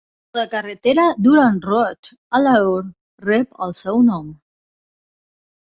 La carretera Durand Road, a Lahore, rep el seu nom.